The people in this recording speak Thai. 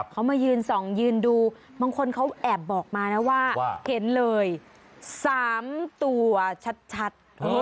เขามายืนส่องยืนดูบางคนเขาแอบบอกมานะว่าเห็นเลย๓ตัวชัด